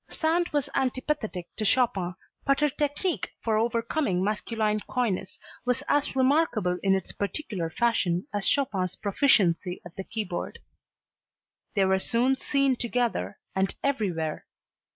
Sand was antipathetic to Chopin but her technique for overcoming masculine coyness was as remarkable in its particular fashion as Chopin's proficiency at the keyboard. They were soon seen together, and everywhere.